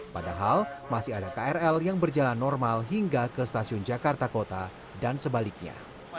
padahal masih ada krl yang berjalan normal hingga ke stasiun jakarta kota dan sebaliknya